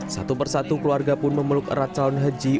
satu persatu keluarga pun memeluk erat calon haji